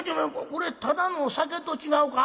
これただの酒と違うか？」。